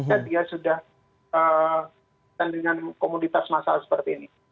dan dia sudah dengan komunitas masalah seperti ini